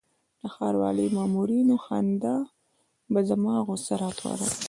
د ښاروالۍ مامورینو خندا به زما غوسه راپاروله.